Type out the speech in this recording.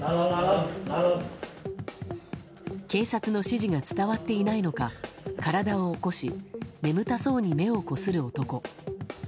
警察の指示が伝わっていないのか体を起こし眠たそうに目をこする男。